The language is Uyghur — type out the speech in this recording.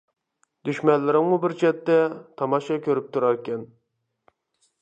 دۈشمەنلىرىڭمۇ بىر چەتتە، تاماشا كۆرۈپ تۇراركەن.